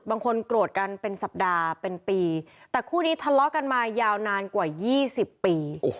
โกรธกันเป็นสัปดาห์เป็นปีแต่คู่นี้ทะเลาะกันมายาวนานกว่า๒๐ปี